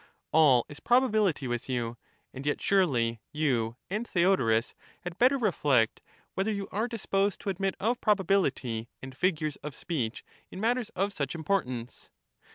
All is probability with you, and yet surely you and Theodorus had better reflect whether you are disposed to admit of pro bability and figures of speech in matters of such importance.